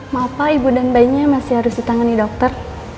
maaf pak ibu dan bayinya masih harus ditangani dokter